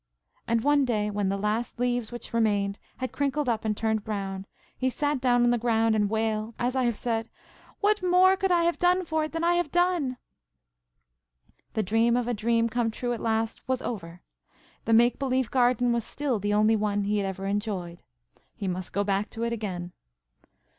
And one day, when the last leaves which remained had crinkled up and turned brown, he sat down on the ground, and wailed, as I have said:– "What more could I have done for it than I have done?" The dream of a dream come true at last, was over. The make believe garden was still the only one he had ever enjoyed. He must go back to it again.